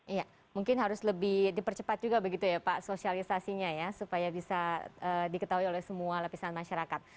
iya mungkin harus lebih dipercepat juga begitu ya pak sosialisasinya ya supaya bisa diketahui oleh semua lapisan masyarakat